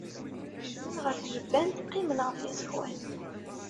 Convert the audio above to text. Kecmen ɣer tjebbant, qqimen ɣef yiẓekwan.